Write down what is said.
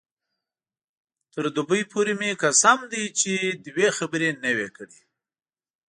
تر دوبۍ پورې مې قسم دی چې دوې خبرې نه وې کړې.